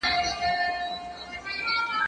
زه پرون ونې ته اوبه ورکړې،